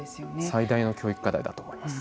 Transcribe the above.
最大の教育課題だと思います。